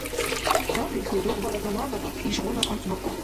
Гьанбиркур дургъбала заманала ишгъуна анцӀбукьра.